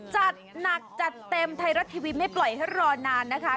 จัดหนักจัดเต็มไทยรัฐทีวีไม่ปล่อยให้รอนานนะคะ